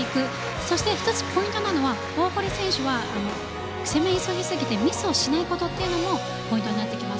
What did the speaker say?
そしてポイントなのが大堀選手は攻め急ぎすぎてミスをしないことというのもポイントになってきます。